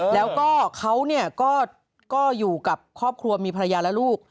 แล้วก็เขาก็อยู่กับครอบครัวมีภรรยาและลูก